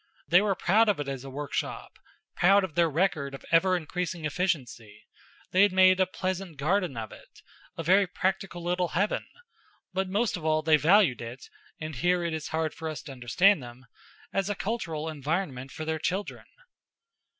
They were proud of it as a workshop, proud of their record of ever increasing efficiency; they had made a pleasant garden of it, a very practical little heaven; but most of all they valued it and here it is hard for us to understand them as a cultural environment for their children.